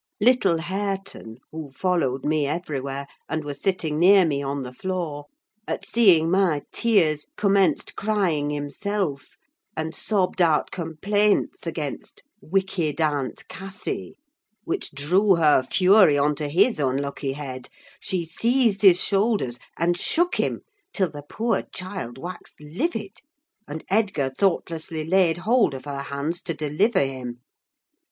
Little Hareton, who followed me everywhere, and was sitting near me on the floor, at seeing my tears commenced crying himself, and sobbed out complaints against "wicked aunt Cathy," which drew her fury on to his unlucky head: she seized his shoulders, and shook him till the poor child waxed livid, and Edgar thoughtlessly laid hold of her hands to deliver him.